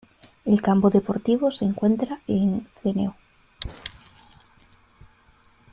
El Campo Deportivo se encuentra en Cno.